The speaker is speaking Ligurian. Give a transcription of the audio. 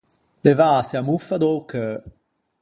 Levâse a moffa da-o cheu.